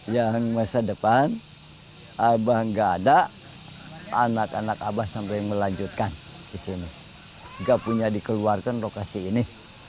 yang masa depan abah gak ada anak anak abah sampai melanjutkan ke sini gak punya dikeluarkan lokasi ini